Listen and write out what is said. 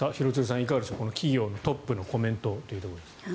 いかがでしょう企業のトップのコメントということですが。